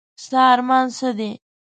ستا ارمان څه دی ؟